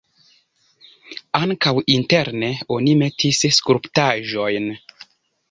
Ankaŭ interne oni metis skulptaĵojn.